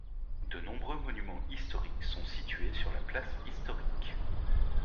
De nombreux monuments historiques sont situés sur la place historique.